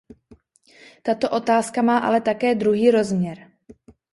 Tato otázka má ale také druhý rozměr.